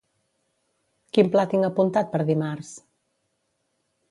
Quin pla tinc apuntat per dimarts?